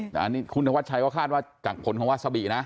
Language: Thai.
แต่อันนี้คุณธวัชชัยก็คาดว่าจากผลของวาซาบินะ